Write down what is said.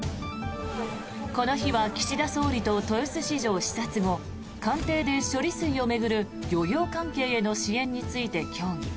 この日は岸田総理と豊洲市場視察後官邸で処理水を巡る漁業関係への支援について協議。